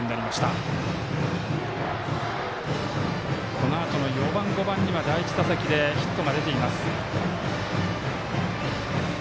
このあとの４番、５番には第１打席でヒットが出ています。